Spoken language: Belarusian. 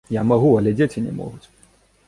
Я магу, але дзеці не могуць!